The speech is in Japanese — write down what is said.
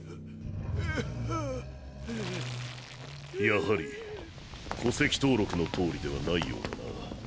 やはり戸籍登録の通りではないようだな。